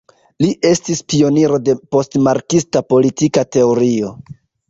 Li estis pioniro de postmarksista politika teorio.